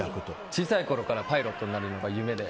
小さいころからパイロットになるのが夢で。